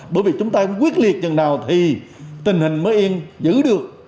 bởi vì chúng ta quyết liệt chẳng nào thì tình hình mới yên giữ được